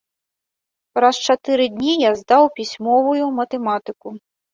Праз чатыры дні я здаў пісьмовую матэматыку.